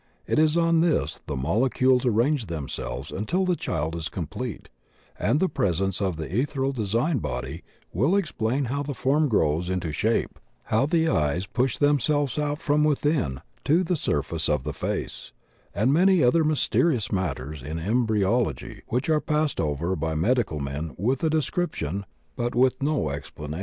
It is on this the molecules arrange themselves until the child is complete, and the presence of the ethereal design body will explain how the form grows into shape, how the eyes push themselves out from witfiin to the surface of the face, and many other mysterious matters in embryology which are passed over by medi cal men with a description but with no explanation.